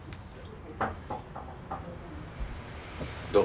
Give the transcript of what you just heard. どう？